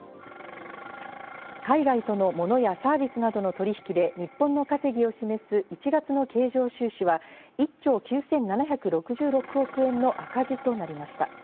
海外とのモノやサービスなどの取引で日本の稼ぎを示す１月の経常収支は、１兆９７６６億円の赤字となりました。